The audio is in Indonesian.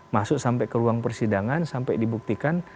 masuk sampai ke ruang persidangan sampai dibuktikan